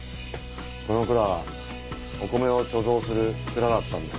この蔵はお米を貯蔵する蔵だったんだよ。